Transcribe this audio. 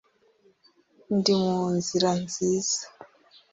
ndi munzira nziza